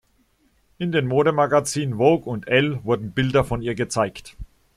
In den Modemagazinen Vogue und Elle wurden Bilder von ihr gezeigt.